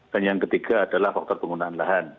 dan yang ketiga adalah faktor penggunaan lahan